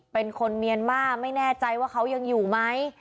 เป็นคนเมียนมาไม่แน่ใจว่าเขายังอยู่ไหม